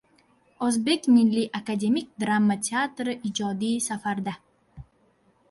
O‘zbek milliy akademik drama teatri ijodiy safarda